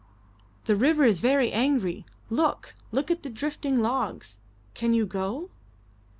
"The river is very angry. Look! Look at the drifting logs! Can you go?"